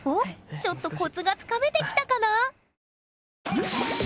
ちょっとコツがつかめてきたかな？